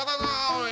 おい！